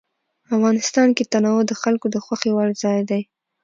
افغانستان کې تنوع د خلکو د خوښې وړ ځای دی.